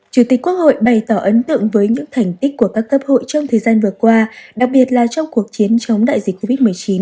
chủ tịch quốc hội bày tỏ ấn tượng với những thành tích của các cấp hội trong thời gian vừa qua đặc biệt là trong cuộc chiến chống đại dịch covid một mươi chín